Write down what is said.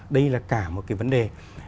đây là cả một cái vấn đề